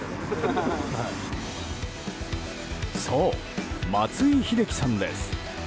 そう、松井秀喜さんです。